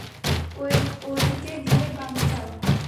ওদিকে গিয়ে বামে যাও।